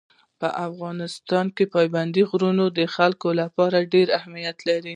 په افغانستان کې پابندي غرونه د خلکو لپاره ډېر اهمیت لري.